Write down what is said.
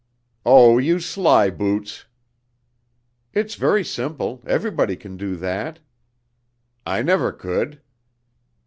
"Oh, you slyboots!" "It's very simple. Everybody can do that." "I never could."